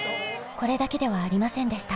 これだけではありませんでした。